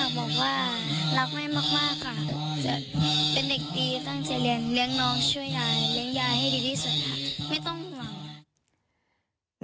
บอกว่ารักแม่มากค่ะจะเป็นเด็กดีตั้งใจเรียนเลี้ยงน้องช่วยยายเลี้ยงยายให้ดีที่สุดค่ะไม่ต้องห่วงค่ะ